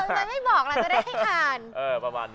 เออน่ะไม่บอกหล่ะจะได้ฮ่าน